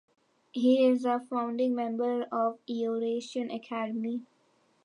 He is a founding member of Eurasian Academy.